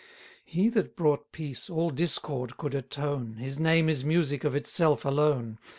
He that brought peace, all discord could atone, His name is music of itself alone.